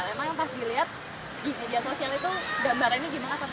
emang yang pas dilihat di media sosial itu gambarnya ini gimana